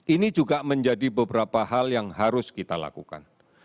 ini juga menjadi beberapa hal yang harus kita lakukan